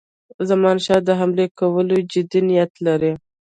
زمانشاه د حملې کولو جدي نیت لري.